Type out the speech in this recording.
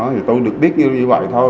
thì tôi được biết như vậy thôi